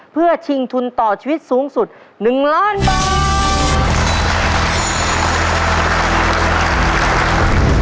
เพื่อชิงทุนต่อชีวิตสูงสุด๑ล้านบาท